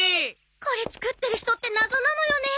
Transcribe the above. これ作ってる人って謎なのよね。